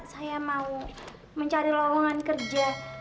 saya mau mencari lowongan kerja